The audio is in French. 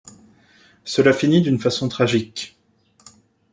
Cela finit d’une façon tragique.